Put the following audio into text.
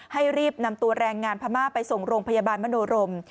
รีบนำตัวแรงงานพม่าไปส่งโรงพยาบาลมโนรม